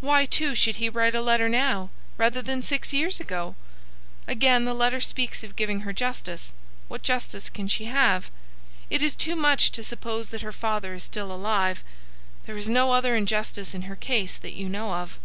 Why, too, should he write a letter now, rather than six years ago? Again, the letter speaks of giving her justice. What justice can she have? It is too much to suppose that her father is still alive. There is no other injustice in her case that you know of."